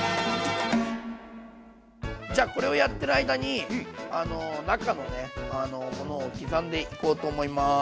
じゃこれをやってる間に中のねものを刻んでいこうと思います。